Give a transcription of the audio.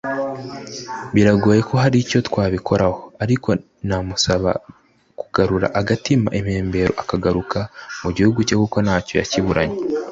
biragoye ko hari icyo twabikoraho ariko namusaba kugarura agatima impembero akagaruka mu gihugu cye kuko nta cyo yakiburanye